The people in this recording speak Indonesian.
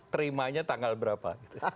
terimanya tanggal berapa